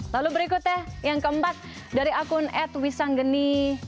lalu berikutnya yang keempat dari akun ad wisanggeni